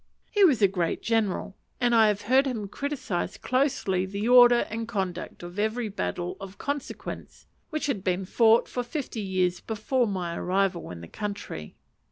He was a great general, and I have heard him criticise closely the order and conduct of every battle of consequence which had been fought for fifty years before my arrival in the country.